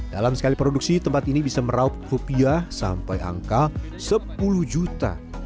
dalam sekali produksi tempat ini bisa meraup rupiah sampai angka sepuluh juta